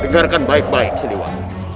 dengarkan baik baik sedih waduh